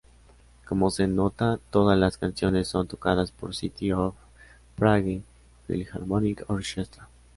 Como se nota todas las canciones son tocadas por City of Prague Philharmonic Orchestra.